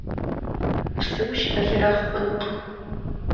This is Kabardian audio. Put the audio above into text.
Псым ущыбэлэрыгъ хъунукъым.